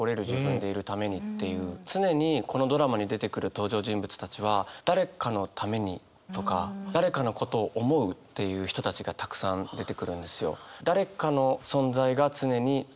常にこのドラマに出てくる登場人物たちは「誰かのために」とか「誰かのことを思う」っていう人たちがたくさん出てくるんですよ。